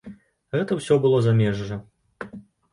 Гэта ўсё было замежжа.